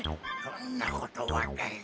そんなことはない。